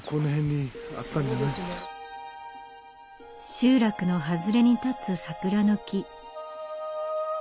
集落の外れに立つ桜の木。